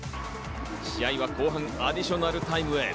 試合は後半アディショナルタイムへ。